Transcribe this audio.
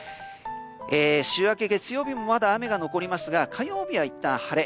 週明け月曜日もまだ雨が残りますが火曜日はいったん晴れ。